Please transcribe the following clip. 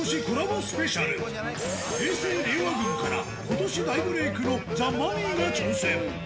スペシャル、平成・令和軍から、ことし大ブレークのザ・マミィが挑戦。